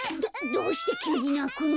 どうしてきゅうになくの？